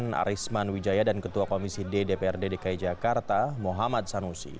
dan arisman wijaya dan ketua komisi ddprd dki jakarta muhammad sanusi